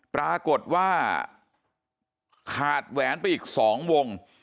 ปรากฏว่าขาดแหวนไปอีก๒วง